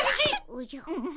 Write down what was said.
おじゃ。